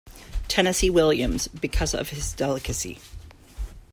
Tennessee Williams, because of his delicacy.